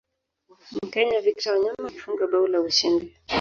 mkenya victor wanyama alifunga bao la ushindi